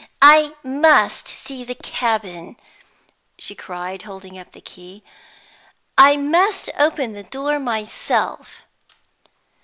"I must see the cabin," she cried, holding up the key. "I must open the door myself."